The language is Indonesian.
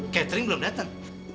catering belum datang